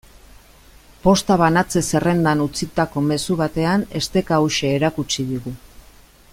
Posta banatze-zerrendan utzitako mezu batean esteka hauxe erakutsi digu.